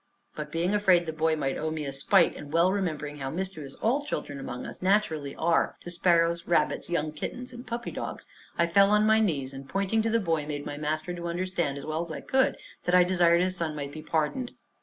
But being afraid the boy might owe me a spite, and well remembering how mischievous all children among us naturally are to sparrows, rabbits, young kittens, and puppy dogs, I fell on my knees, and pointing to the boy, made my master to understand as well as I could, that I desired his son might be pardoned.